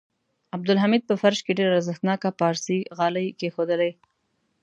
عبدالحمید په فرش کې ډېر ارزښتناکه پارسي غالۍ کېښودلې.